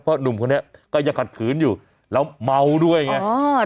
เพราะหนุ่มคนนี้ก็ยังขัดขืนอยู่แล้วเมาด้วยอย่างนี้